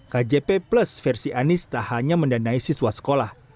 kjp plus versi anies tak hanya mendanai siswa sekolah